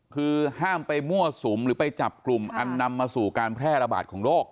คือห้ามไปมั่วสุมหรือไปจับกลุ่มอันนำมาสู่การแพร่ระบาดของโรค